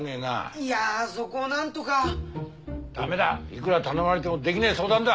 いやそこをなんとか。ダメだいくら頼まれてもできねえ相談だ！